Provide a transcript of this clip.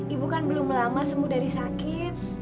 ibu kan belum lama sembuh dari sakit